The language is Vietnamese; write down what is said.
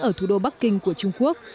ở thủ đô bắc kinh của trung quốc